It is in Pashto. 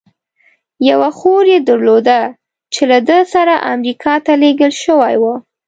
یوه خور یې درلوده، چې له ده سره امریکا ته لېږل شوې وه.